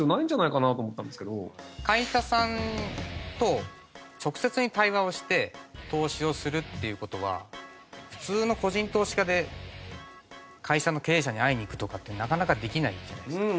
会社さんと直接に対話をして投資をするっていう事は普通の個人投資家で会社の経営者に会いに行くとかってなかなかできないじゃないですか。